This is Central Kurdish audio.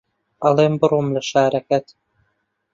ئەڵێم بڕۆم لە شارەکەت